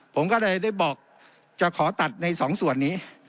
ผมก็เลยได้บอกจะขอตัดในสองส่วนนี้